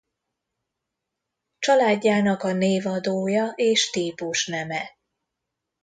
Családjának a névadója és típusneme.